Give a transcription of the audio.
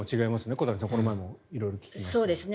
小谷さん、この前も色々聞きましたが。